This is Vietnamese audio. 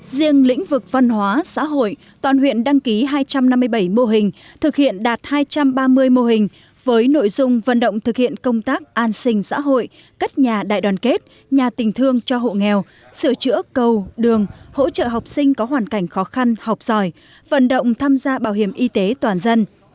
riêng lĩnh vực văn hóa xã hội toàn huyện đăng ký hai trăm năm mươi bảy mô hình thực hiện đạt hai trăm ba mươi mô hình với nội dung vận động thực hiện công tác an sinh xã hội cất nhà đại đoàn kết nhà tình thương cho hộ nghèo sửa chữa cầu đường hỗ trợ học sinh có hoàn cảnh khó khăn học giỏi vận động tham gia bảo hiểm y tế toàn dân